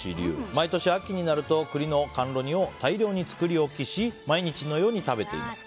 毎年秋になると栗の甘露煮を大量に作り置きし毎日のように食べています。